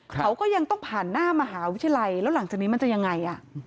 เขาก็ยังต้องผ่านหน้ามหาวิทยาลัยแล้วหลังจากนี้มันจะยังไง